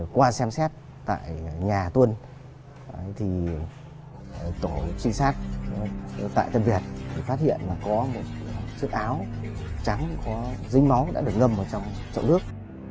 qua xem xét tại nhà tuân tổ trinh sát tại tân việt phát hiện có một chiếc áo trắng có dính máu đã được ngâm vào trong chậu nước